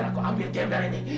aku ambil gembel ini